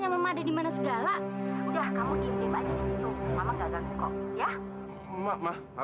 gak ada apa apa